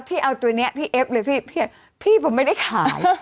พี่เอาตัวนี้พี่เอฟเลยพี่พี่ผมไม่ได้ขาย